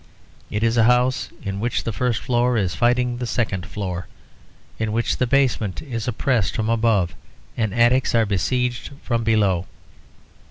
It is a house in which the first floor is fighting the second floor, in which the basement is oppressed from above and attics are besieged from below.